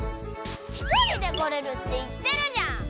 １人で来れるって言ってるじゃん！